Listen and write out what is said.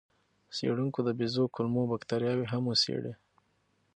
څېړونکو د بیزو کولمو بکتریاوې هم وڅېړې.